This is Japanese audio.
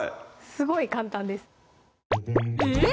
すごい簡単ですえぇ？